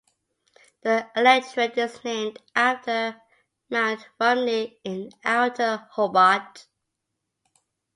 The electorate is named after Mount Rumney in outer Hobart.